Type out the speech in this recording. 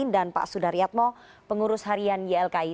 dan pak sudar yatmo pengurus harian ylki